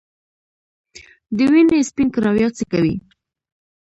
د وینې سپین کرویات څه کوي؟